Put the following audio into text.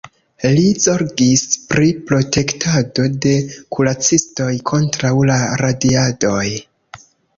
Li zorgis pri protektado de kuracistoj kontraŭ la radiadoj.